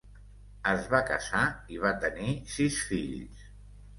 Es va casar i va tenir sis fills.